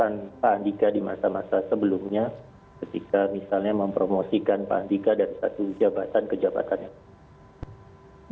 dan pak andika di masa masa sebelumnya ketika misalnya mempromosikan pak andika dari satu jabatan ke jabatan lain